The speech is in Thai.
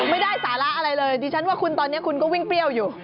ไม่ได้สาระอะไรเลยดิฉันว่าคุณตอนนี้คุณก็วิ่งเปรี้ยวอยู่